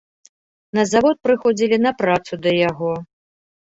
На завод прыходзілі на працу да яго.